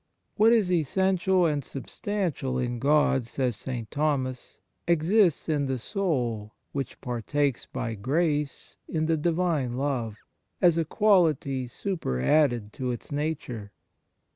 1 " What is essential and substantial in God," says St. Thomas, " exists in the soul, which partakes by grace in the Divine love, as a quality superadded to its nature."